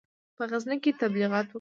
په غزني کې تبلیغات وکړي.